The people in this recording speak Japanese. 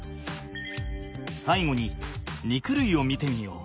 さいごに肉類を見てみよう。